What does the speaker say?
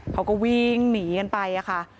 เขาก็วิ่งหนีกันไปค่ะ